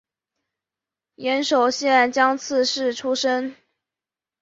岩手县江刺市出身。